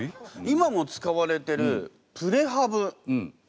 今も使われてるプレハブ。